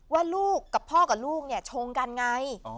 ว่าลูกกับพ่อกับลูกเนี่ยชงกันไง